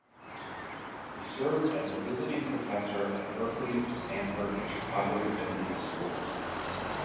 He served as a visiting Professor at Berkeley, Stanford and Chicago Divinity School.